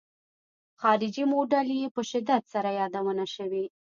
خارجي موډل یې په شدت سره یادونه شوې.